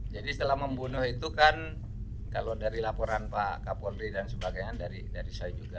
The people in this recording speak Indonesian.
jadi setelah membunuh itu kan kalau dari laporan pak kapoldi dan sebagainya dari dari saya juga